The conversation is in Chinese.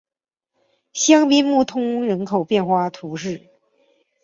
香槟穆通人口变化图示